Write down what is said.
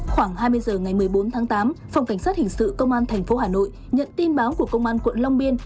khoảng hai mươi h ngày một mươi bốn tháng tám phòng cảnh sát hình sự công an tp hà nội nhận tin báo của công an quận long biên